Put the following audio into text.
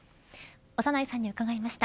長内さんに伺いました。